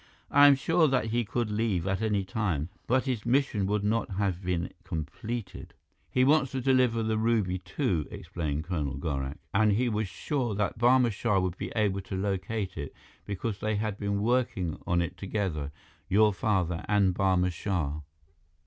"I am sure that he could leave at any time, but his mission would not have been completed." "He wants to deliver the ruby, too," explained Colonel Gorak, "and he was sure that Barma Shah would be able to locate it, because they had been working on it together, your father and Barma Shah."